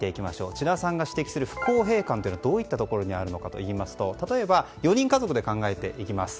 智田さんが指摘する不公平感はどういったところにあるのかといいますと例えば、４人家族で考えていきます。